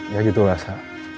ya gitu lah sa